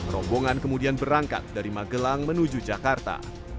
rombongan kemudian berangkat dari magelang menuju jakarta